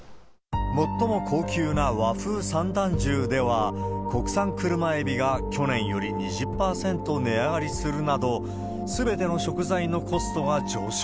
最も高級な和風三段重では、国産クルマエビが去年より２０％値上がりするなど、すべての食材のコストが上昇。